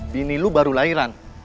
bini lu baru lahiran